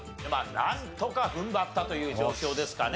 なんとか踏ん張ったという状況ですかね。